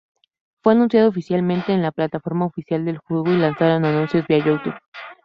Fue anunciado oficialmente en la plataforma oficial del juego y lanzaron anuncios vía Youtube.